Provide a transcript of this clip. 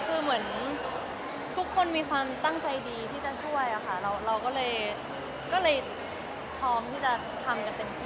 คือเหมือนทุกคนมีความตั้งใจดีที่จะช่วยค่ะเราก็เลยพร้อมที่จะทำกันเต็มที่